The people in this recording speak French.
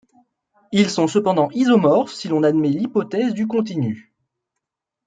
Ils sont cependant isomorphes si l'on admet l'hypothèse du continu.